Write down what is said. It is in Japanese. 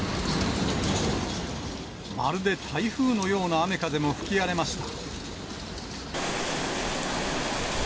まるで台風のような雨風も吹き荒れました。